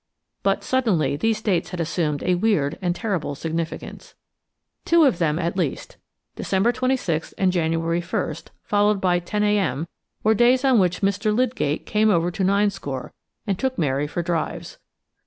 But suddenly these dates had assumed a weird and terrible significance: two of them, at least–December 26th and January 1st followed by "10 a.m."–were days on which Mr. Lydgate came over to Ninescore and took Mary for drives.